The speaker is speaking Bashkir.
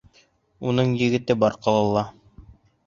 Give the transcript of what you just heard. Уның егете бар ҡалала.